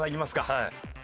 はい。